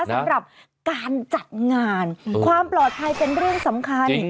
สำหรับการจัดงานความปลอดภัยเป็นเรื่องสำคัญ